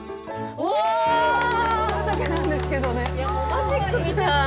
マジックみたい。